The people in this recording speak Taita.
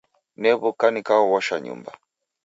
New'uka nikaoghosha nyumba.